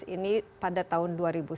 ini pada tahun dua ribu sepuluh